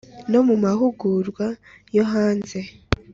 no mu mahugurwa yo hanze